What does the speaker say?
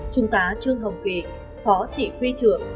trung tá trương hồng kỳ phó chỉ huy trưởng